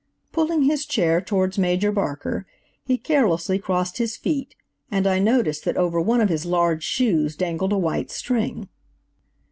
Pulling his chair towards Major Barker, he carelessly crossed his feet, and I noticed that over one of his large shoes dangled a white string.